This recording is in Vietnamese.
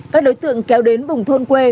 các đối tượng kéo đến bùng thôn quê